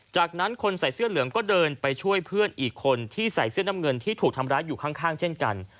จากนั้นคนใส่เสื้อเหลืองก็เดินไปช่วยเพื่อนอีกคนที่ใส่เสื้อน้ำเงินที่ถูกทำร้ายอยู่ข้างเช่นกัน